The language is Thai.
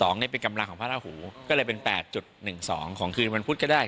นี่เป็นกำลังของพระราหูก็เลยเป็น๘๑๒ของคืนวันพุธก็ได้